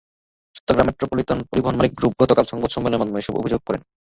Chittagong metropolitan পরিবহন মালিক group গতকাল সংবাদ সম্মেলনের মাধ্যমে এসব অভিযোগ করে।